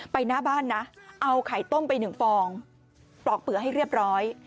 หน้าบ้านนะเอาไข่ต้มไปหนึ่งฟองปลอกเปลือให้เรียบร้อย